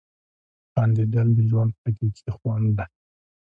• خندېدل د ژوند حقیقي خوند دی.